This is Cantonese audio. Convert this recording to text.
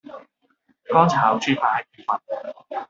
乾炒豬扒意粉